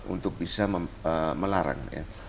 untuk bisa melarang